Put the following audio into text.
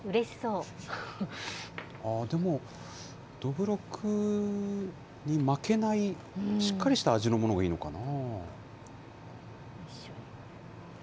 でも、どぶろくに負けない、しっかりした味のものがいいのかな？